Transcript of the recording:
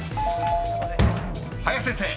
［林先生］